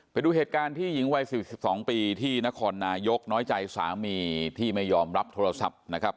ไปดูเหตุการณ์ที่หญิงวัย๔๒ปีที่นครนายกน้อยใจสามีที่ไม่ยอมรับโทรศัพท์นะครับ